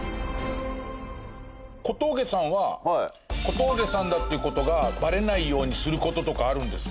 小峠さんは小峠さんだっていう事がバレないようにする事とかあるんですか？